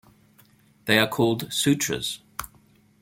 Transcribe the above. They are called sutras.